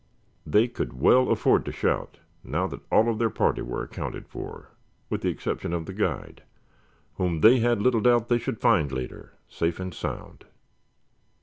They could well afford to shout now that all of their party were accounted for, with the exception of the guide, whom they had little doubt they should find later safe and sound.